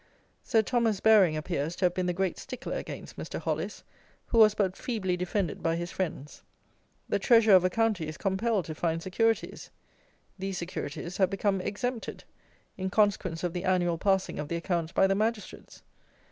Sir Thomas Baring appears to have been the great stickler against Mr. Hollis, who was but feebly defended by his friends. The Treasurer of a county is compelled to find securities. These securities have become exempted, in consequence of the annual passing of the accounts by the Magistrates!